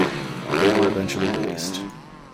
They were eventually released.